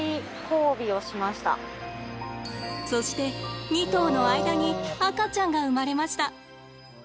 そして２頭の間に赤ちゃんが生まれました。